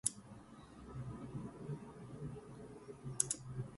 The second line adds two more regions, resulting in a total of four regions.